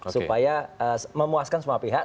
supaya memuaskan semua pihak